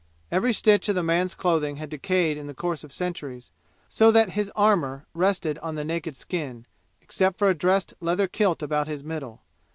Every stitch of the man's clothing had decayed in the course of centuries, so that his armor rested on the naked skin, except for a dressed leather kilt about his middle.